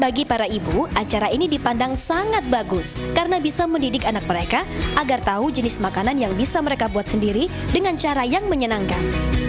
bagi para ibu acara ini dipandang sangat bagus karena bisa mendidik anak mereka agar tahu jenis makanan yang bisa mereka buat sendiri dengan cara yang menyenangkan